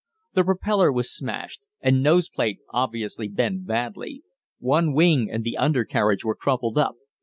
The propeller was smashed and nose plate obviously bent badly; one wing and the under carriage were crumpled up.